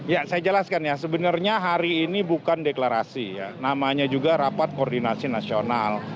ya saya jelaskan ya sebenarnya hari ini bukan deklarasi ya namanya juga rapat koordinasi nasional